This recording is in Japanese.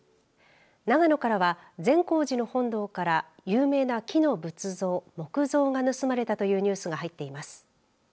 長野からは善光寺の本堂から有名な木の仏像木像が盗まれたというニュースが入っています。